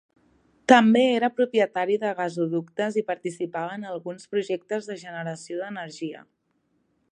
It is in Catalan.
També era propietari de gasoductes i participava en alguns projectes de generació d'energia.